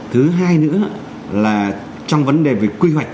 thứ hai nữa là trong vấn đề về quy hoạch